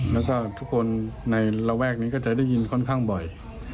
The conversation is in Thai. แล้วก็ทุกคนในระแวกนี้ก็จะได้ยินค่อนข้างบ่อย